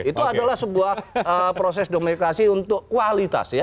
itu adalah sebuah proses demokrasi untuk kualitas ya